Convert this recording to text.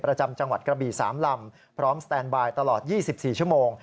ประจำจังหวัดกระบี่๓ลำพร้อมสแตนบายตลอด๒๔ชั่วโมง